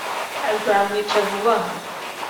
uzamwica vuba aha